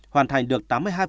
hoàn thành được tám mươi hai